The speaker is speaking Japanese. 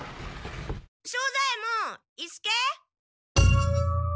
庄左ヱ門伊助？